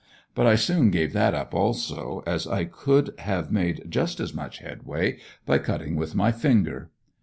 But I soon gave that up also, as I could have made just as much headway by cutting with my finger.